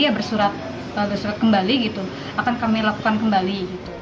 ya bersurat kembali gitu akan kami lakukan kembali